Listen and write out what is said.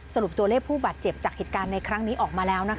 สรุปตัวเลขผู้บาดเจ็บจากเหตุการณ์ในครั้งนี้ออกมาแล้ว